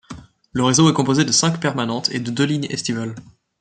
Le réseau est composé de cinq permanentes et de deux lignes estivales.